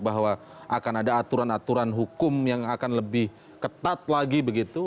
bahwa akan ada aturan aturan hukum yang akan lebih ketat lagi begitu